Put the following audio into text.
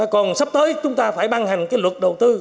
còn sắp tới chúng ta phải ban hành cái luật đầu tư